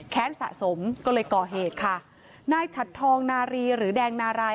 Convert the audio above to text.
สะสมก็เลยก่อเหตุค่ะนายฉัดทองนารีหรือแดงนาราย